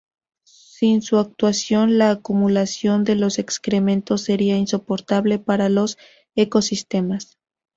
Sin su actuación, la acumulación de los excrementos sería insoportable para los ecosistemas.